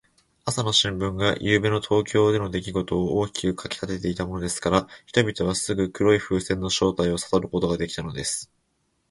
朝の新聞が、ゆうべの東京でのできごとを大きく書きたてていたものですから、人々はすぐ黒い風船の正体をさとることができたのです。